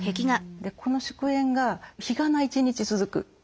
この祝宴が日がな一日続く。